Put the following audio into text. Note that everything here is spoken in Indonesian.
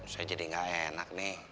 saya jadi gak enak nih